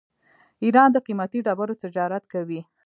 ایران د قیمتي ډبرو تجارت کوي.